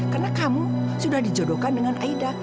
karena kamu sudah dijodohkan dengan aida